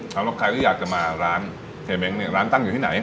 ถ้าใครอยากจะมาร้านเฮเม้งร้านตั้งอยู่ที่ไหน